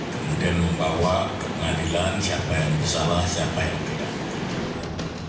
kemudian membawa ke pengadilan siapa yang bersalah siapa yang tidak